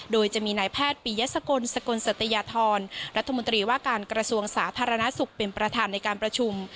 โดยจะมีนายแพทย์ปียสกลสกลสัตยธรรัฐมนตรีว่าการกระทรวงสาธารณสุขเป็นประธานในการประชุม